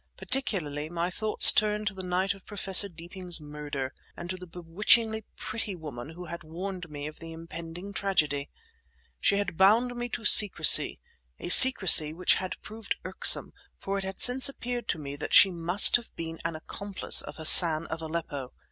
Particularly, my thoughts turned to the night of Professor Deeping's murder, and to the bewitchingly pretty woman who had warned me of the impending tragedy. She had bound me to secrecy—a secrecy which had proved irksome, for it had since appeared to me that she must have been an accomplice of Hassan of Aleppo.